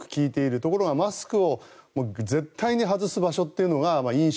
ところがマスクを絶対外す場所というのが飲食。